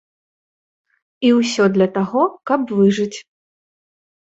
І ўсё для таго, каб выжыць.